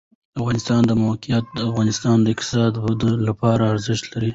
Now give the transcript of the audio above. د افغانستان د موقعیت د افغانستان د اقتصادي ودې لپاره ارزښت لري.